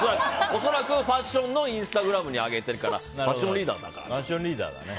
恐らく、ファッションのインスタグラムに上げてるからファッションリーダーだね。